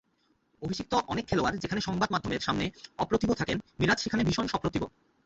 অভিষিক্ত অনেক খেলোয়াড় যেখানে সংবাদ মাধ্যমের সামনে অপ্রতিভ থাকেন, মিরাজ সেখানে ভীষণ সপ্রতিভ।